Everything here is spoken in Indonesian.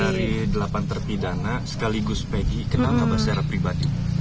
apa secara keseluruhan dari delapan terpidana sekaligus peggy kenal enggak secara pribadi